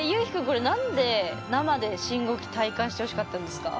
これ何で生で信号機体感してほしかったんですか？